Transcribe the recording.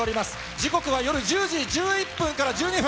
時刻は１０時１１分から１２分。